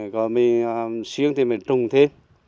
rồi mình siêng thì mình trồng thế